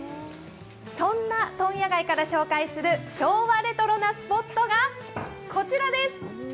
そんな問屋街から紹介する昭和レトロなスポットがこちらです。